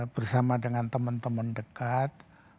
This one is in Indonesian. bersama dengan teman teman dekat